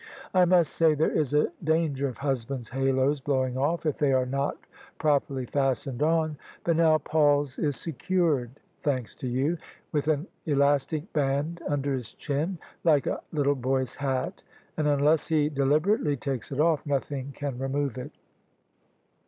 I must say there is a danger of husbands' haloes blowing off, if they are not prop erly fastened on. But now Paul's is secured, thanks to you, with an elastic band under his chin, like a little boy's hat: and, unless he deliberately takes it off, nothing can re move it."